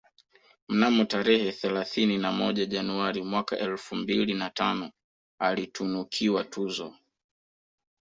Mnamo tarehe thelathini na moja Januari mwaka elfu mbili na tano alitunukiwa tuzo